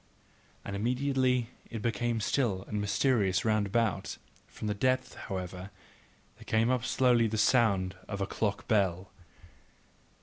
And immediately it became still and mysterious round about; from the depth however there came up slowly the sound of a clock bell.